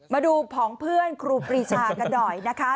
มาดูผองเพื่อนครูปรีชากันหน่อยนะคะ